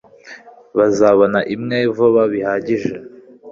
bazabona imwe vuba bihagije